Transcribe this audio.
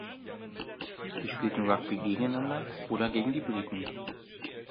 Sie spielten Rugby gegeneinander oder gegen die Briten.